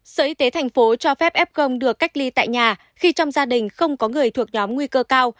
sở y tế thành phố cho phép f được cách ly tại nhà khi trong gia đình không có người thuộc nhóm nguy cơ cao